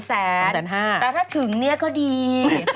แต่ถ้าถึงเนี่ยก็ดี